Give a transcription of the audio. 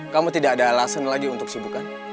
kamu tidak ada alasan lagi untuk sibukan